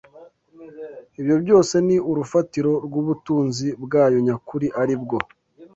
ibyo byose ni urufatiro rw’ubutunzi bwayo nyakuri ari bwo: